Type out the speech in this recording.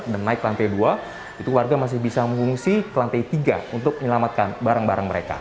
dan naik ke lantai dua itu warga masih bisa mengungsi ke lantai tiga untuk menyelamatkan barang barang mereka